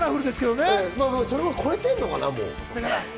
もう、それを超えてるのかな？